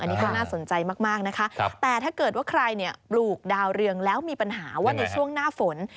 อันนี้ก็น่าสนใจมากนะคะแต่ถ้าเกิดว่าใครเนี่ยปลูกดาวเรืองแล้วมีปัญหาว่าในช่วงหน้าฝน